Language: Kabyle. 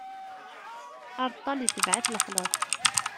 Aṛeṭṭal itbeɛ-it lexlaṣ.